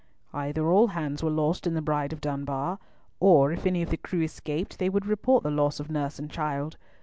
Either all hands were lost in the Bride of Dunbar, or if any of the crew escaped, they would report the loss of nurse and child.